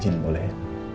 ijin boleh ya